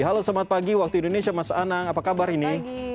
halo selamat pagi waktu indonesia mas anang apa kabar ini